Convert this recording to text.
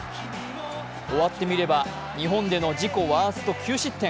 終わってみれば日本での自己ワースト９失点、